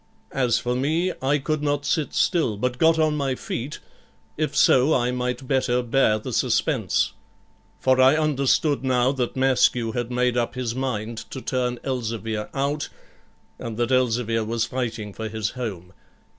As for me, I could not sit still, but got on my feet, if so I might better bear the suspense; for I understood now that Maskew had made up his mind to turn Elzevir out, and that Elzevir was fighting for his home.